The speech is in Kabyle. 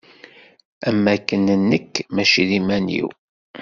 Am wakken nekk mačči d iman-iw.